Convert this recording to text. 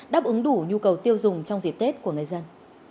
đáp ứng đủ nhu cầu tiêu dùng trong dịp tết của người dân